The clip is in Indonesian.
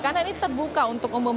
karena ini terbuka untuk umum